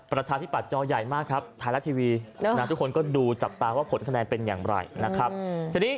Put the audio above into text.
ประชาภิปัจจอใหญ่มากครับท้ายรัฐทีวีทุกคนก็ดูจับตาว่าผลคะแนนเป็นยังไง